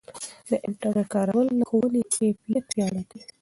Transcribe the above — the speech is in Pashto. د انټرنیټ کارول د ښوونې کیفیت پیاوړی کوي.